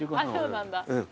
そうなんだ。